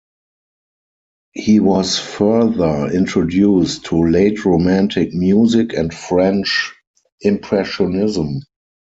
He was further introduced to late-romantic music and French impressionism.